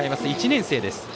１年生です。